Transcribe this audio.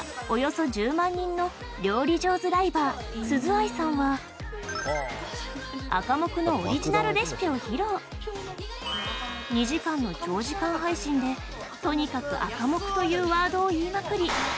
およそ１０万人の料理上手ライバー鈴愛さんはアカモクのオリジナルレシピを披露２時間の長時間配信でとにかく「アカモク」というワードを言いまくり